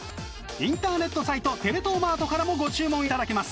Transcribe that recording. インターネットサイト「テレ東マート」からもご注文いただけます。